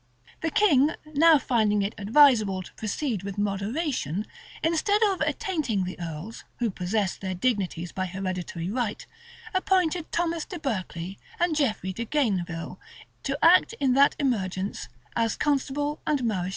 [] The king, now finding it advisable to proceed with moderation, instead of attainting the earls, who possessed their dignities by hereditary right, appointed Thomas de Berkeley and Geoffrey de Geyneville to act in that emergence as constable and mareschal.